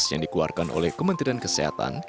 yang dikeluarkan oleh kementerian kesehatan